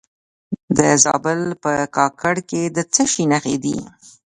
د زابل په کاکړ کې د څه شي نښې دي؟